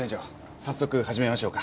早速始めましょうか。